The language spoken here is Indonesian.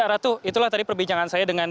ratu itulah tadi perbincangan saya dengan